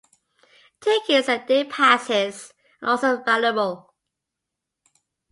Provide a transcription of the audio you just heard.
Tickets and day passes are also available.